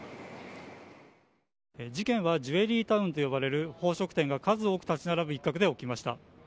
事件はジュエリータウンといわれる宝飾店が数多く立ち並ぶ一角で起きました。